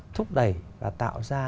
thúc đẩy và tạo ra